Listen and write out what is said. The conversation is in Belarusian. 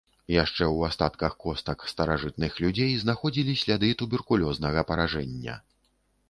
Яшчэ ў астатках костак старажытных людзей знаходзілі сляды туберкулёзнага паражэння.